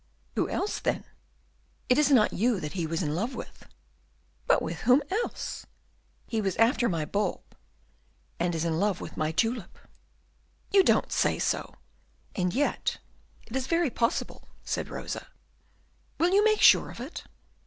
"Who else, then?" "It is not you that he was in love with!" "But with whom else?" "He was after my bulb, and is in love with my tulip!" "You don't say so! And yet it is very possible," said Rosa. "Will you make sure of it?"